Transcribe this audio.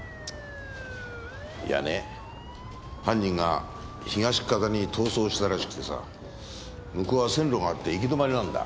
いやね犯人が東っかたに逃走したらしくてさ向こうは線路があって行き止まりなんだ。